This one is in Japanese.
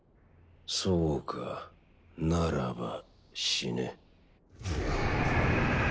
そうかならば死ね。